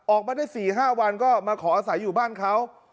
ออกมาได้๔๕วันก็มาขออาศัยอยู่บ้านเขา